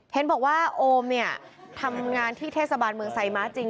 เห็นบอกว่าโอมเนี่ยทำงานที่เทศบาลเมืองไซม้าจริง